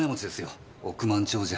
億万長者。